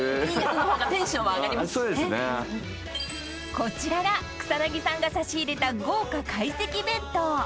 ［こちらが草さんが差し入れた豪華懐石弁当］